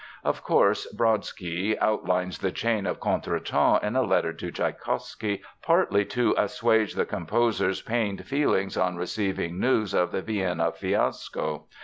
Of course, Brodsky outlines the chain of contretemps in a letter to Tschaikowsky partly to assuage the composer's pained feelings on receiving news of the Vienna fiasco.